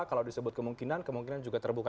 kalau disebut kemungkinan kemungkinan juga terbuka